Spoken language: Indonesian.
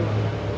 ya mas surya